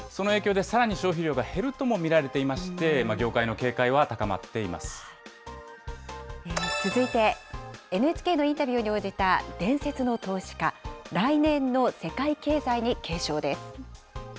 その影響でさらに消費量が減るとも見られていまして、業界の警戒続いて、ＮＨＫのインタビューに応じた伝説の投資家、来年の世界経済に警鐘です。